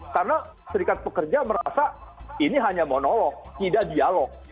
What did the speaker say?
karena serikat pekerja merasa ini hanya monolog tidak dialog